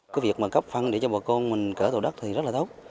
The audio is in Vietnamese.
cái việc mà cấp phăng để cho bộ công mình cỡ tổ đất thì rất là tốt